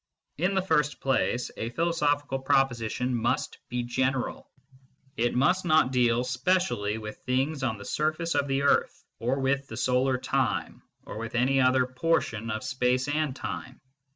In the first place a philosophical proposition must be general. It must not deal specially with things on the surface of the earth, or with the solar system, or with any other portion of space and time.